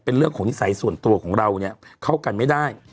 เป็นเรื่องของนิสัยส่วนตัวของเราเนี่ยเข้ากันไม่ได้